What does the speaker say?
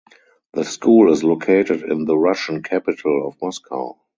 The school is located in the Russian capital of Moscow.